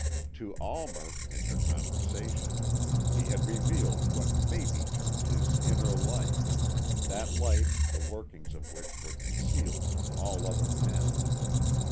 To Almer, in their conversation, he had revealed what may be termed his inner life, that life the workings of which were concealed from all other men.